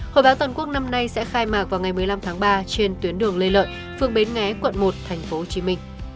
hội báo toàn quốc năm nay sẽ khai mạc vào ngày một mươi năm tháng ba trên tuyến đường lê lợi phương bến nghé quận một tp hcm